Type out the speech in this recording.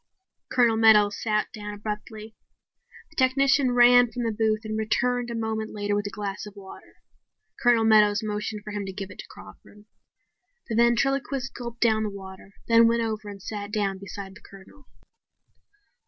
Colonel Meadows sat down abruptly. The technician ran from the booth and returned a moment later with a glass of water. Colonel Meadows motioned for him to give it to Crawford. The ventriloquist gulped down the water, then went over and sat down beside the Colonel.